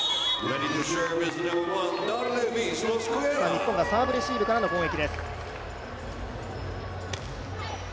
日本がサーブレシーブからの攻撃です。